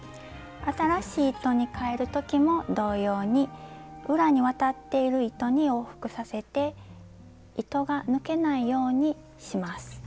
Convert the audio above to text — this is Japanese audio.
新しい糸にかえる時も同様に裏に渡っている糸に往復させて糸が抜けないようにします。